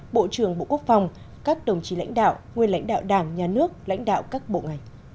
bộ trưởng bộ quốc phòng các đồng chí lãnh đạo nguyên lãnh đạo đảng nhà nước lãnh đạo các bộ ngành